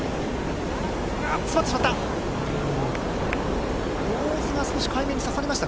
詰まってしまった。